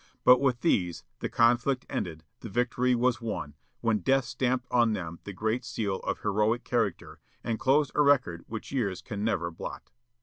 But with these, the conflict ended, the victory was won, when death stamped on them the great seal of heroic character, and closed a record which years can never blot."